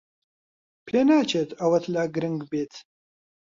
پێناچێت ئەوەت لا گرنگ بێت.